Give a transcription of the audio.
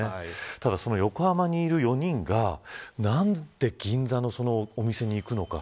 ただ横浜にいる４人が何で銀座のお店に行くのか。